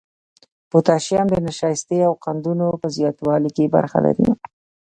پوتاشیم د نشایستې او قندونو په زیاتوالي کې برخه لري.